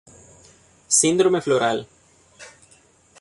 Síndrome floral